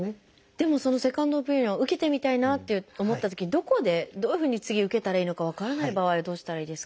でもそのセカンドオピニオンを受けてみたいなと思ったときにどこでどういうふうに次受けたらいいのか分からない場合はどうしたらいいですか？